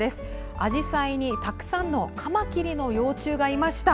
あじさいに、たくさんのカマキリの幼虫がいました。